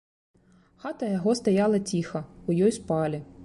Хата яго стаяла ціха, у ёй спалі.